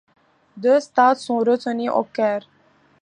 Deux stades sont retenus au Caire.